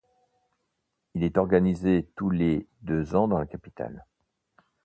Il est organisé tous les deux ans dans la capitale.